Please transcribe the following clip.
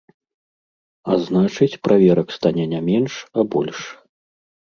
А значыць, праверак стане не менш, а больш.